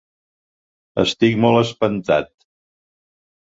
Estic molt espantat.